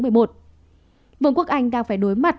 vương quốc anh đang phải đối mặt